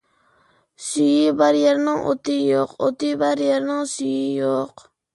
سۈيى بار يەرنىڭ ئوتى يوق، ئوتى بار يەرنىڭ سۈيى يوق.